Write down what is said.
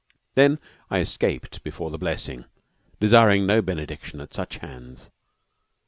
Then I escaped before the blessing, desiring no benediction at such hands.